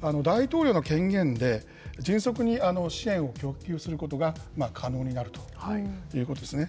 大統領の権限で、迅速に支援を供給することが可能になるということですね。